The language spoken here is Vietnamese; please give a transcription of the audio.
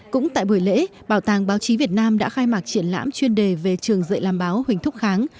cũng tại buổi lễ bảo tàng báo chí việt nam đã khai mạc triển lãm chuyên đề về trường dạy làm báo huỳnh thúc kháng